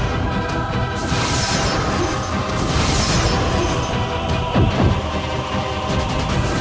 apa pada ore in drag